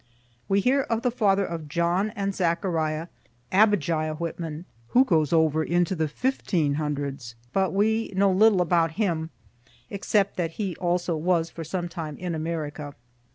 We hear of the father of John and Zechariah, Abijah Whitman, who goes over into the 1500's, but we know little about him, except that he also was for some time in America.